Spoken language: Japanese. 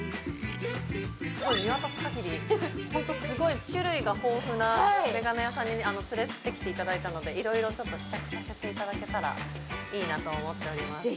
見渡すかぎり種類が豊富な眼鏡屋さんに連れてきていただいたのでいろいろ試着させていただけたらいいなと思っております。